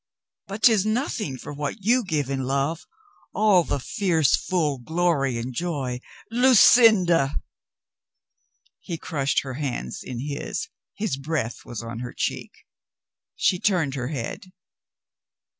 But 'tis nothing for what you give in love — all the fierce full glory and joy. Lucinda!" He crushed her hands in his, his breath was on her cheek. She turned her head.